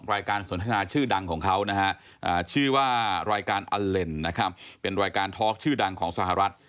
รายการสนทนาชื่อดังของเขานะฮะชื่อว่ารายการอัลเลนนะครับเป็นรายการทอล์กชื่อดังของสหรัฐ